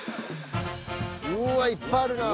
うわいっぱいあるなぁ。